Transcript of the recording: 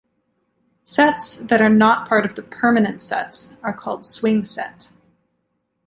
Sets that are not part of the "Permanent" sets are called swing set.